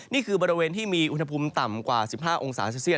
นี่คือบริเวณที่มีอุณหภูมิต่ำกว่า๑๕องศาเซลเซียต